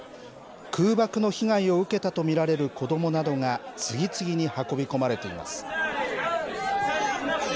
空爆の被害を受けたと見られる子どもなどが、次々に運び込まれています。